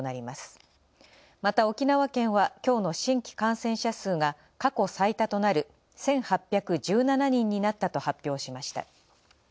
また、沖縄県は今日の新規感染者数が過去最多となる１８１７人になったと発表しました。